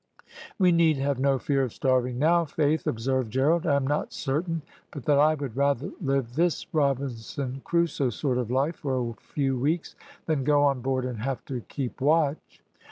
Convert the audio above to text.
"`We need have no fear of starving now, faith,' observed Gerald; `I am not certain but that I would rather live this Robinson Crusoe sort of life for a few weeks than go on board and have to keep watch.'